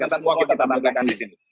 dan semua kita tampilkan di sini